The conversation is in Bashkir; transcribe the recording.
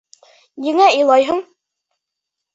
Ниңә илайһың?